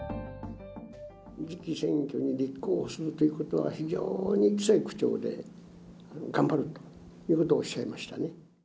次期選挙に立候補するということは、非常に強い口調で、頑張るということをおっしゃいましたね。